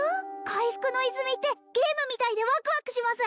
回復の泉ってゲームみたいでワクワクします